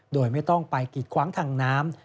โดยไม่ต้องไปกีดขวางทางน้ำ